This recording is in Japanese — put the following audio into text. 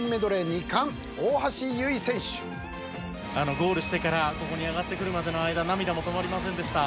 ゴールしてからここに上がってくるまでの間涙も止まりませんでした。